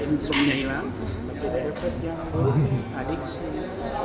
tapi ada efek yang menguntungkan adiksinya